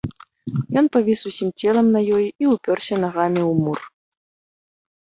Ён павіс усім целам на ёй і ўпёрся нагамі ў мур.